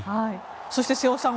そして、瀬尾さん